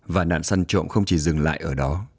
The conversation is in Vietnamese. và nạn săn trộm không chỉ dừng lại ở đó